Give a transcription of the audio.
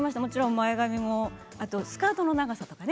前髪もスカートの長さとかね